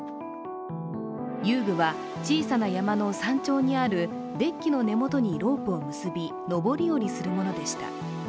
遊具は小さな山の山頂にあるデッキの根元にロープを結び登り下りするものでした。